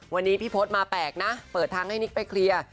วันนี้พี่พศมาแปลกนะเปิดทางให้นิกไปเคลียร์